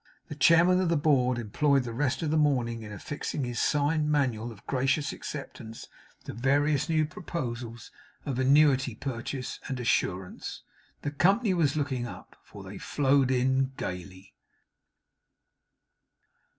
The chairman of the board employed the rest of the morning in affixing his sign manual of gracious acceptance to various new proposals of annuity purchase and assurance. The Company was looking up, for they flowed in gayly.